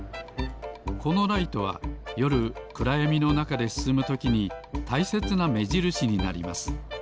このライトはよるくらやみのなかですすむときにたいせつなめじるしになります。